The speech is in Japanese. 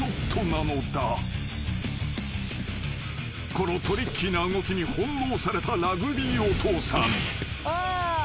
［このトリッキーな動きに翻弄されたラグビーお父さん］